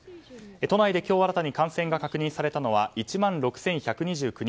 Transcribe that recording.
都内で今日新たに感染が確認されたのは１万６１２９人。